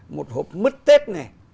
một hộp mứt tết này